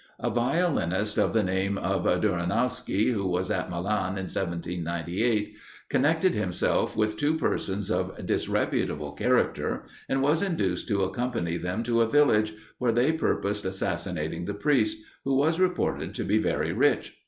A violinist, of the name of Duranowski, who was at Milan in 1798, connected himself with two persons of disreputable character, and was induced to accompany them to a village, where they purposed assassinating the priest, who was reported to be very rich.